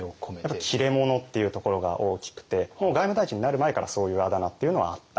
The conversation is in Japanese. やっぱり切れ者っていうところが大きくて外務大臣になる前からそういうあだ名っていうのはあった。